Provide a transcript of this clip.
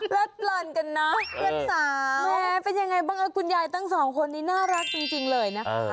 เลินกันนะเพื่อนสาแม้เป็นยังไงบ้างคุณยายทั้งสองคนนี้น่ารักจริงเลยนะคะ